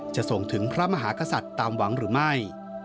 จะส่งถึงพระมหากษัตริย์ตามหวังหรือไม่